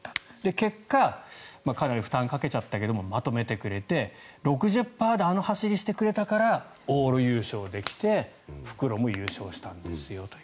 結果、彼に負担をかけちゃったけどまとめてくれて６０％であの走りをしてくれたから往路優勝できて復路も優勝したんですよという。